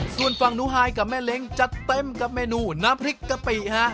ส่วนฝั่งหนูฮายกับแม่เล้งจัดเต็มกับเมนูน้ำพริกกะปิฮะ